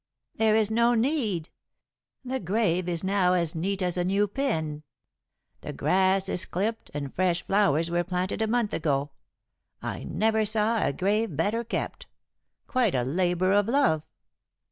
"There is no need. The grave is now as neat as a new pin. The grass is clipped, and fresh flowers were planted a month ago. I never saw a grave better kept. Quite a labor of love."